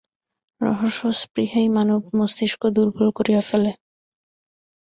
রহস্যস্পৃহাই মানব-মস্তিষ্ক দুর্বল করিয়া ফেলে।